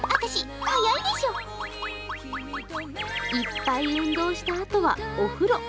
いっぱい運動したあとはお風呂。